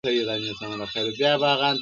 چي پر حال د زکندن به د وطن ارمان کوینه-